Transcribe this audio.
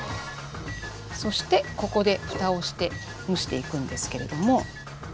そしてここでふたをして蒸していくんですけれども。